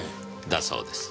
だそうです。